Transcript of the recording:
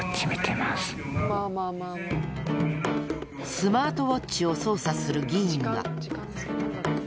スマートウォッチを操作する議員が。